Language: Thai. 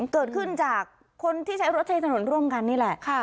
เกิดขึ้นจากคนที่ใช้รถใช้ถนนร่วมกันนี่แหละ